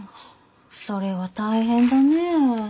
それは大変だねえ。